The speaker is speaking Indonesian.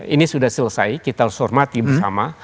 ini sudah selesai kita harus hormati bersama